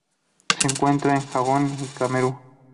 Se encuentra en Gabón y Camerún.